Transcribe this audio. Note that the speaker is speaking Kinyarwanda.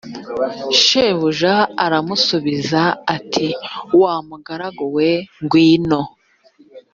shebuja aramusubiza ati wa mugaragu we ngwino